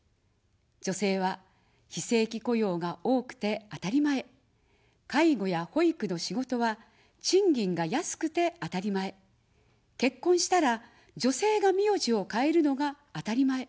女性は非正規雇用が多くてあたりまえ、介護や保育の仕事は賃金が安くてあたりまえ、結婚したら、女性が名字を変えるのがあたりまえ。